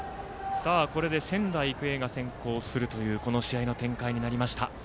これで仙台育英が先行するというこの試合の展開になりました。